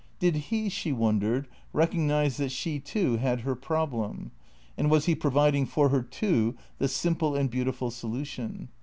Did he, she wondered, recognize that she too had her problem ; and was he providing for her too the simple and beautiful solution?